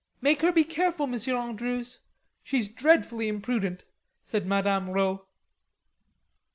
"Make her be careful, Monsieur Andrews, she's dreadfully imprudent,'" said Madame Rod.